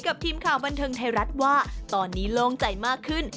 กับทีมข่าวบันเทิงไทยรัฐว่าตอนนี้โล่งใจมากขึ้น